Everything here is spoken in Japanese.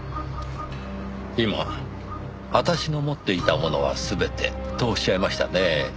今「私の持っていたものは全て」とおっしゃいましたねぇ。